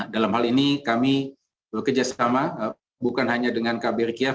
dalam hal ini kami bekerjasama bukan hanya dengan kbri kiav